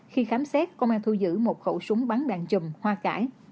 khi khám xét công an thu giữ một khẩu súng bắn đạn chùm hoa cải